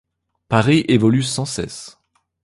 Paris évolue sans cesse.